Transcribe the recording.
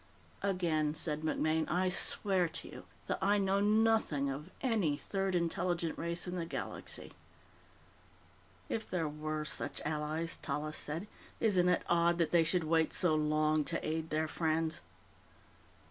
_" "Again," said MacMaine, "I swear to you that I know nothing of any third intelligent race in the galaxy." "If there were such allies," Tallis said, "isn't it odd that they should wait so long to aid their friends?"